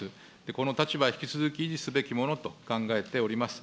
この立場、引き続き維持すべきものと考えております。